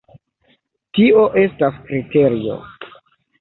Tio estas kriterio!